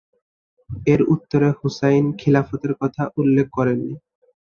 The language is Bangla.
এর উত্তরে হুসাইন খিলাফতের কথা উল্লেখ করেননি।